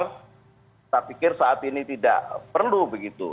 saya pikir saat ini tidak perlu begitu